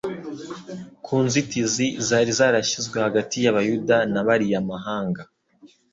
ku nzitizi zari zarashyizwe hagati y'Abayuda n'abariyamahanga.